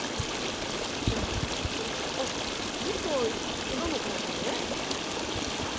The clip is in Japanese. ずっと今の会社で？